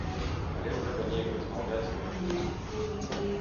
Але трэба неяк размаўляць з гэтымі людзьмі.